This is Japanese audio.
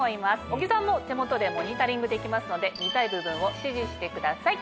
小木さんも手元でモニタリングできますので見たい部分を指示してください。